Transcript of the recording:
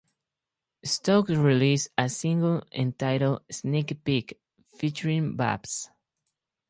Stokes released a single entitled "Sneak Peek", featuring Babs.